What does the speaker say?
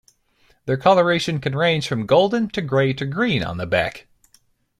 Their coloration can range from golden to gray to green on the back.